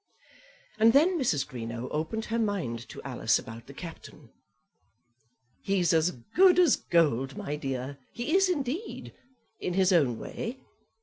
And then Mrs. Greenow opened her mind to Alice about the Captain. "He's as good as gold, my dear; he is, indeed, in his own way.